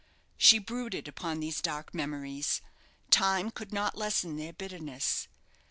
She brooded upon these dark memories. Time could not lessen their bitterness.